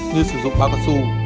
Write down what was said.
như sử dụng bao gọt xù